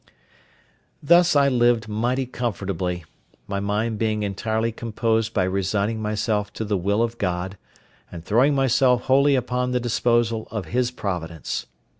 Thus I lived mighty comfortably, my mind being entirely composed by resigning myself to the will of God, and throwing myself wholly upon the disposal of His providence.